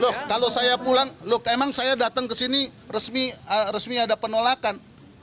loh kalau saya pulang loh emang saya datang ke sini resmi ada penolakan